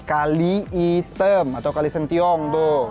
kali item atau kalisentiong tuh